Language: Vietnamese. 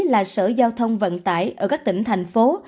là sở giao thông vận tải ở các tỉnh thành phố